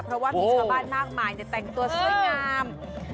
เพราะว่ามีชาวบ้านมากมายแต่งตัวสวยงาม